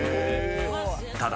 ［ただ